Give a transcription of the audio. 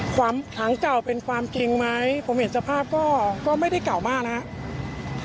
ถังเก่าเป็นความจริงไหมผมเห็นสภาพก็ไม่ได้เก่ามากนะครับ